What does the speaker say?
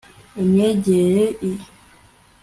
imwegereye se ituma umurangarira